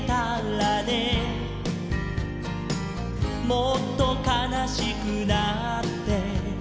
「もっとかなしくなって」